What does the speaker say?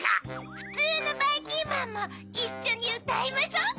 ふつうのばいきんまんもいっしょにうたいましょう。